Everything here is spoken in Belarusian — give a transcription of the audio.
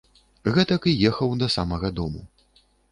Гэтак і ехаў да самага дому.